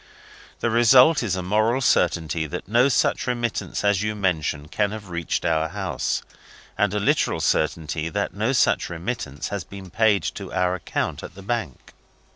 The result is a moral certainty that no such remittance as you mention can have reached our house, and a literal certainty that no such remittance has been paid to our account at the bank.